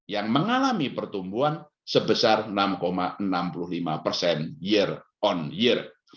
yang mengalami pertumbuhan sebesar enam enam puluh lima persen year on year